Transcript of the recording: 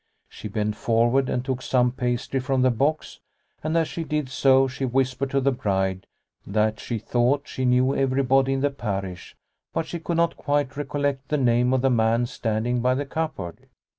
She bent forward and took some pastry from the box, and as she did so she whispered to the bride that she thought she knew everybody in the parish, but she could not quite recollect the name of the man standing by the cupboard.